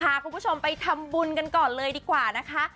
พาคุณผู้ชมไปทำบุญกันก่อนเลยดีกว่านะคะ